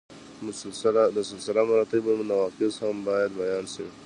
د سلسله مراتبو نواقص هم باید بیان شي.